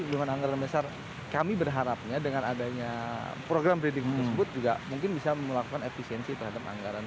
dengan anggaran besar kami berharapnya dengan adanya program breeding tersebut juga mungkin bisa melakukan efisiensi terhadap anggaran